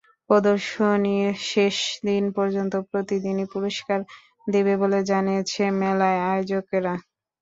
প্রদর্শনীর শেষ দিন পর্যন্ত প্রতিদিনই পুরস্কার দেবে বলে জানিয়েছে মেলার আয়োজকেরা।